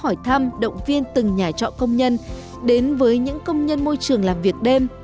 hỏi thăm động viên từng nhà trọ công nhân đến với những công nhân môi trường làm việc đêm